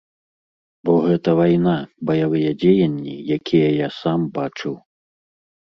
Бо гэта вайна, баявыя дзеянні, якія я сам бачыў.